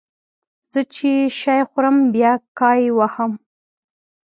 زه چې شی خورم بیا کای وهم